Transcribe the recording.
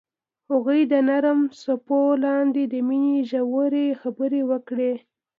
هغوی د نرم څپو لاندې د مینې ژورې خبرې وکړې.